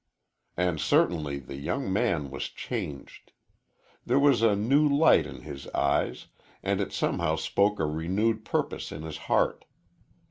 And certainly the young man was changed. There was a new light in his eyes, and it somehow spoke a renewed purpose in his heart.